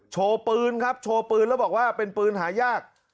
โชว์ปืนครับโชว์ปืนแล้วบอกว่าเป็นปืนหายาก